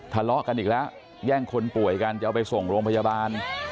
ทะเลาะกันอีกแล้วแย่งคนป่วยกันจะเอาไปส่งโรงพยาบาล